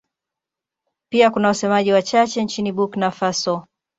Pia kuna wasemaji wachache nchini Burkina Faso.